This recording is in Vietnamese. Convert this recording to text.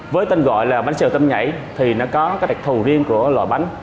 với tên gọi là bánh xèo tôm nhảy thì nó có cái đặc thù riêng của loại bánh